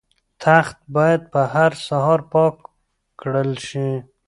تخت باید په هره سهار پاک کړل شي.